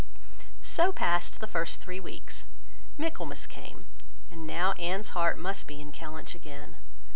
So passed the first three weeks. Michaelmas came; and now Anne's heart must be in Kellynch again.